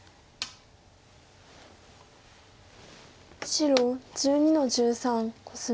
白１２の十三コスミ。